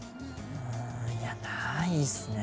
いやないですね。